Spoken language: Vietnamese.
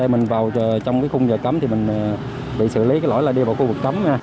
mình vào trong khung giờ cấm mình bị xử lý lỗi đi vào khu vực cấm